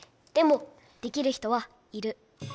でもできる人はいる。